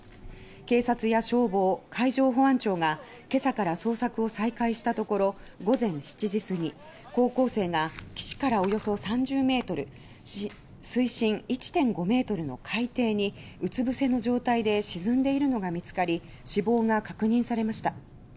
警察や消防、海上保安庁が今朝から捜索を再開したところ午前７時過ぎ高校生が岸からおよそ３０ｍ水深１．５ｍの海底にうつぶせの状態で沈んでいるのが見つかり死亡が確認されました。